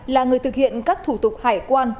là người thực hiện các thủ tục hải quan